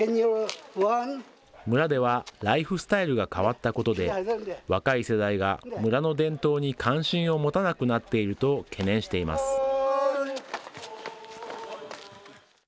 村ではライフスタイルが変わったことで、若い世代が、村の伝統に関心を持たなくなっていると懸念しています。